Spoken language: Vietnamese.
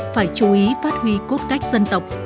phải chú ý phát huy cốt cách dân tộc